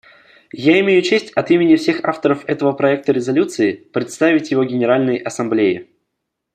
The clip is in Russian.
Я имею честь от имени всех авторов этого проекта резолюции представить его Генеральной Ассамблее.